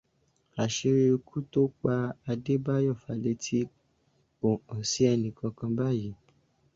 Àṣírí ikú tó pa Adébáyọ̀ Fálétí kò hàn sí ẹnìkankan báyìí